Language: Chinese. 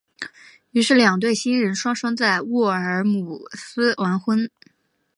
于是两对新人双双在沃尔姆斯完婚。